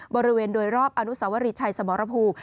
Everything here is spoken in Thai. บริเวณโดยรอบอนุสาวรีชัยสมรภูมิ